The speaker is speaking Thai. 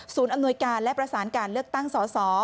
อำนวยการและประสานการเลือกตั้งสส